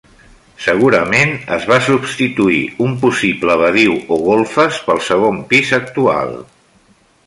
Segurament es va substituir un possible badiu o golfes pel segon pis actual.